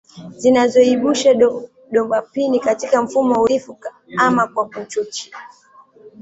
zinazoibusha dopamini katika mfumo wa uridhifu ama kwa kuchoche